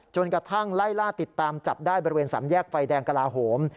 กระทั่งไล่ล่าติดตามจับได้บริเวณสามแยกไฟแดงกลาโหม